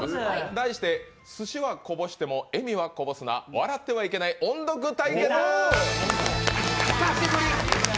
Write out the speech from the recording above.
題してすしはこぼしても笑みはこぼすな「笑ってはいけない音読」対決。